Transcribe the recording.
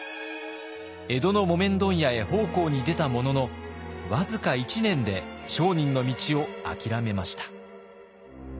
江戸の木綿問屋へ奉公に出たものの僅か１年で商人の道を諦めました。